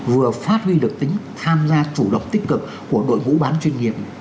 vừa phát huy được tính tham gia chủ động tích cực của đội ngũ bán chuyên nghiệp